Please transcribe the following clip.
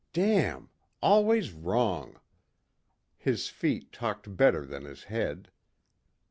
Damn! Always wrong! His feet talked better than his head.